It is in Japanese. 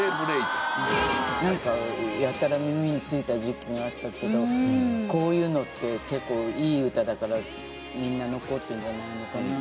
なんかやたら耳についた時期があったけどこういうのって結構いい歌だからみんな残ってるんじゃないのかな。